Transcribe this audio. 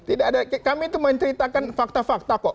tidak ada kami itu menceritakan fakta fakta kok